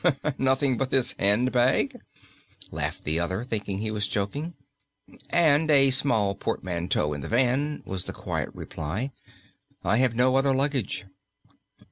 "Nothing but this hand bag?" laughed the other, thinking he was joking. "And a small portmanteau in the van," was the quiet reply. "I have no other luggage."